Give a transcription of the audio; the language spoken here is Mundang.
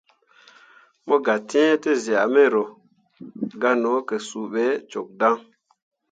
Mo gǝ tǝ̃ǝ̃ tezyah mero, gah no ke suu bo cok dan.